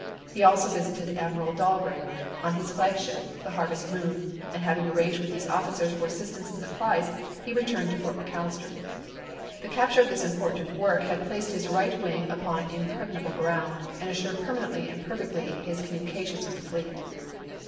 He also visited Admiral Dahlgren on his flagship, the Harvest Moon, and having arranged with these officers for assistance and supplies, he returned to Fort Mc 490 ABKAHAM LINCOLN chap. xx. Allister. The capture of this important work had Deo. i3,i864. placed his right wing upon impregnable ground, and assured permanently and perfectly his com munications with the fleet.